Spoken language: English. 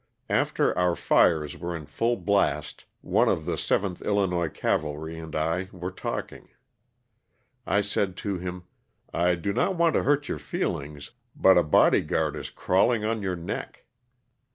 After our fires were in full blast one of the 7th Illinois Cavalry and I were talking. I said to him, *'I do not want to hurt your feelings, but a body guard is crawling on your neck."